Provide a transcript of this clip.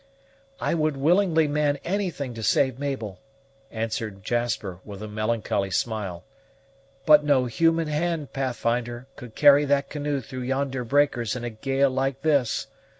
"I would willingly man anything to save Mabel," answered Jasper, with a melancholy smile; "but no human hand, Pathfinder, could carry that canoe through yonder breakers in a gale like this.